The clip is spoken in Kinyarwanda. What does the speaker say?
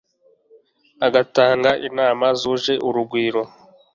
agatanga inama zuje urugwiro